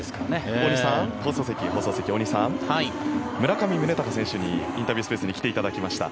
大西さん村上宗隆選手にインタビュースペースに来ていただきました。